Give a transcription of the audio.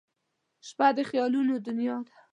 • شپه د خیالونو دنیا ده.